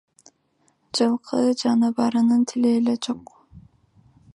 Жылкы жаныбарынын тили эле жок.